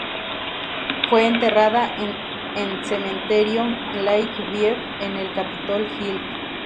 Fue enterrada en en cementerio Lake View, en el Capitol Hill.